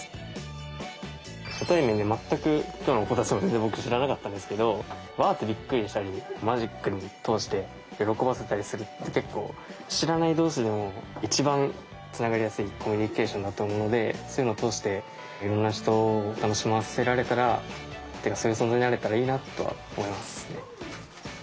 初対面で全く今日の子たちも全然僕知らなかったですけどわってびっくりしたりマジックを通して喜ばせたりするって結構知らない同士でも一番つながりやすいコミュニケーションだと思うのでそういうのを通していろんな人を楽しませられたらというかそういう存在になれたらいいなとは思いますね。